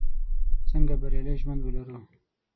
څنګه بریالی ژوند ولرو?